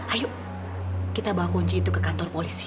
ayo kita bawa kunci itu ke kantor polisi